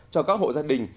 cho các hộ gia đình